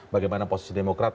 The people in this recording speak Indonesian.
bagaimana posisi demokrat